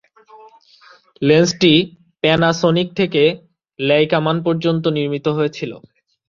লেন্সটি Panasonic থেকে Leica মান পর্যন্ত নির্মিত হয়েছিল।